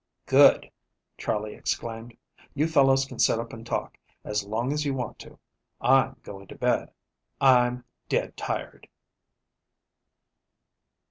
"Good!" Charley exclaimed. "You fellows can sit up and talk, as long as you want to I'm going to bed. I'm dead tired."